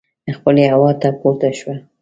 څپلۍ هوا ته پورته شوه.